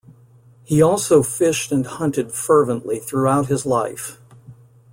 He also fished and hunted fervently throughout his life.